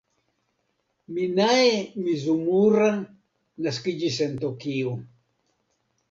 Minae Mizumura naskiĝis en Tokio.